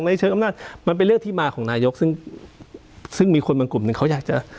เชิงอำนาจมันเป็นเรื่องที่มาของนายกซึ่งซึ่งมีคนบางกลุ่มหนึ่งเขาอยากจะ